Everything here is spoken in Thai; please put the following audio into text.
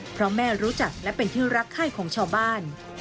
เพราะแม่รู้จักและเป็นที่รักไข้ของชาวบ้าน